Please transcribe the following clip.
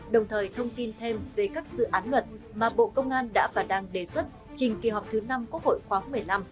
đồng thời thông tin thêm về các dự án luật mà bộ công an đã và đang đề xuất trình kỳ họp thứ năm quốc hội khoáng một mươi năm